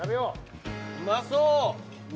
うまそう！